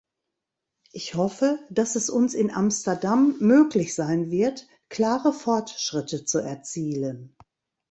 Ich hoffe, dass es uns in Amsterdam möglich sein wird, klare Fortschritte zu erzielen.